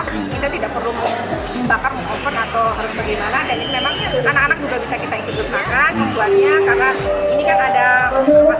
kita tidak perlu membakar oven atau harus bagaimana